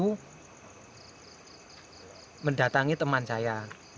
menyuruh mendatangi teman saya